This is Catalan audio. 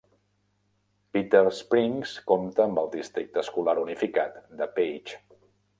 Bitter Springs compta amb el districte escolar unificat de Page.